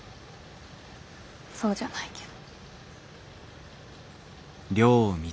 そうじゃないけど。